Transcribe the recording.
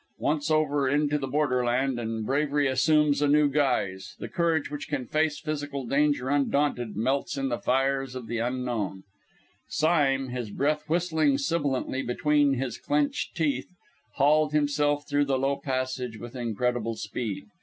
Once over into the Borderland, and bravery assumes a new guise; the courage which can face physical danger undaunted, melts in the fires of the unknown. Sime, his breath whistling sibilantly between his clenched teeth, hauled himself through the low passage, with incredible speed.